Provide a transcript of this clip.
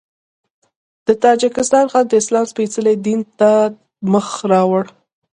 د تاجکستان خلک د اسلام سپېڅلي دین ته مخ راوړ.